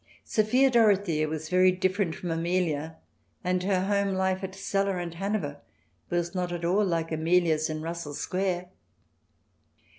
Sophia Dorothea was very different from Amelia, and her home life at Celle and Hanover not at all like Amelia's in Russell Square.